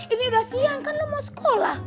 ini udah siang kan lo mau sekolah